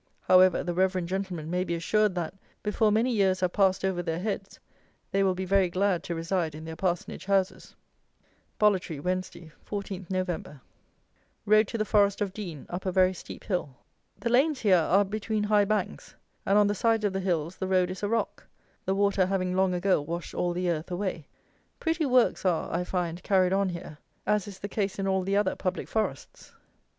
However, the "reverend" gentleman may be assured that, before many years have passed over their heads, they will be very glad to reside in their parsonage houses. Bollitree, Wednesday, 14 Nov. Rode to the forest of Dean, up a very steep hill. The lanes here are between high banks, and on the sides of the hills the road is a rock, the water having long ago washed all the earth away. Pretty works are, I find, carried on here, as is the case in all the other public forests!